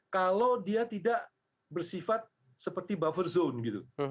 kalau dia tidak bersifat seperti buffer zone gitu